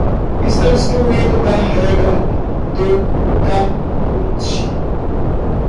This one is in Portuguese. Estão excluídos da regra do caput